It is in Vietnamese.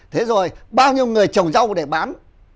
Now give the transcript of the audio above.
thế rồi bao nhiêu người trồng rau để bán